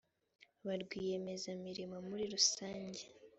ba rwiyemezamirimo muri rusange